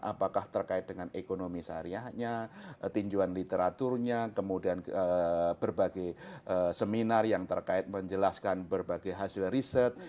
apakah terkait dengan ekonomi syariahnya tinjuan literaturnya kemudian berbagai seminar yang terkait menjelaskan berbagai hasil riset